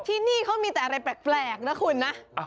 ที่นี่เขามีแต่อะไรแปลกนะคุณนะ